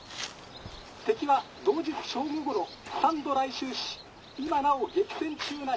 敵は同日正午ごろ３度来襲し今なお激戦中なり」。